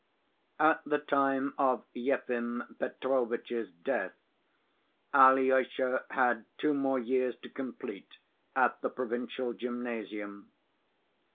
At the time of Yefim Petrovitch's death Alyosha had two more years to complete at the provincial gymnasium.